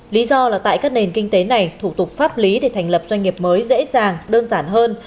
lý do là tại các nền kinh tế này thủ tục pháp lý để thành lập doanh nghiệp mới dễ dàng đơn giản hơn